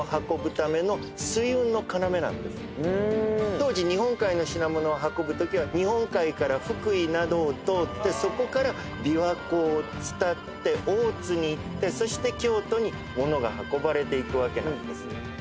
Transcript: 当時日本海の品物を運ぶときは日本海から福井などを通ってそこから琵琶湖を伝って大津に行ってそして京都に物が運ばれていくわけなんです。